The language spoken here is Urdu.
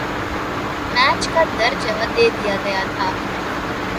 میچ کا درجہ دے دیا گیا تھا